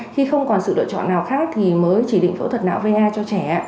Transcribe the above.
khi không còn sự lựa chọn nào khác thì mới chỉ định phẫu thuật não va cho trẻ